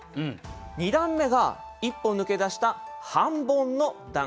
２段目が一歩抜け出した半ボンの段。